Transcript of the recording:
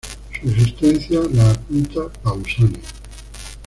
Su existencia la apunta Pausanias.